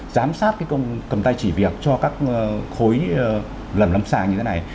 giám sát cái công cầm tay chỉ việc cho các khối lầm lấm sàng như thế này